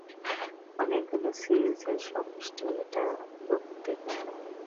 অনেকগুলো সিরিজের সমষ্টি, এটা যৌক্তিক।